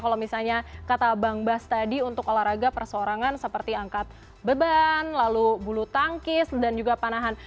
kalau misalnya kata bang bas tadi untuk olahraga persorangan seperti angkat beban lalu bulu tangkis dan juga panahan